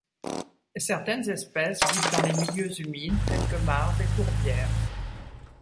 Certaines espèces vivent dans les milieux humides tels que mares et tourbières.